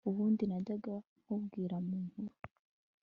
ubundi najyaga nkubwirwa mu nkuru